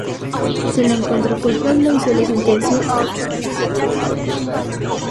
Se le encontró culpable y se le sentenció a ocho meses de prisión.